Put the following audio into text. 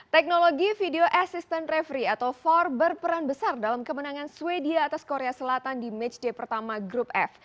teknologi video assistant referee atau empat berperan besar dalam kemenangan sweden atas korea selatan di matchday pertama grup f